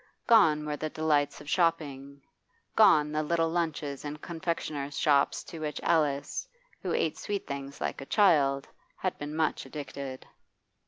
Gone were the delights of shopping, gone the little lunches in confectioners' shops to which Alice, who ate sweet things like a child, had been much addicted.